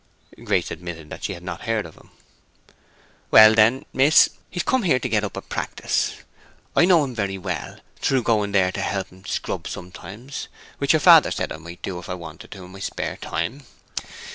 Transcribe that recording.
Grace admitted that she had not heard of him. "Well, then, miss, he's come here to get up a practice. I know him very well, through going there to help 'em scrub sometimes, which your father said I might do, if I wanted to, in my spare time.